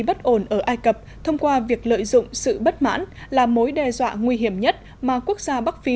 bất ổn ở ai cập thông qua việc lợi dụng sự bất mãn là mối đe dọa nguy hiểm nhất mà quốc gia bắc phi